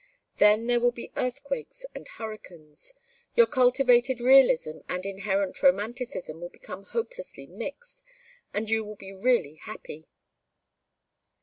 Then there will be earthquakes and hurricanes your cultivated realism and inherent romanticism will become hopelessly mixed, and you will be really happy."